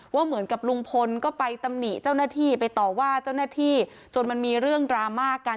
ว่าเหมือนกับลุงพลก็ไปตำหนิเจ้าหน้าที่ไปต่อว่าเจ้าหน้าที่จนมันมีเรื่องดราม่ากัน